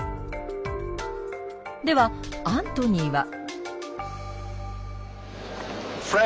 ではアントニーは。